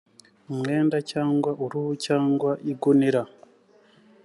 umwenda cyangwa uruhu, cyangwa igunira